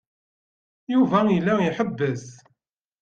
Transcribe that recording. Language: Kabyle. Yuba yella iḥebbes.